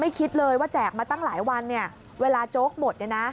ไม่คิดเลยว่าแจกมาตั้งหลายวันเวลาโจ๊กหมดนะ